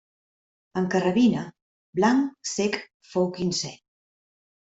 En carrabina, blanc cec fou quinzè.